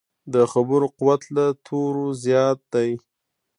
د خبرو قوت له تورو زیات دی.